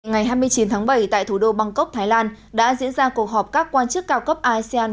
ngày hai mươi chín tháng bảy tại thủ đô bangkok thái lan đã diễn ra cuộc họp các quan chức cao cấp asean